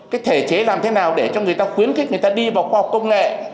cái thể chế làm thế nào để cho người ta khuyến khích người ta đi vào khoa học công nghệ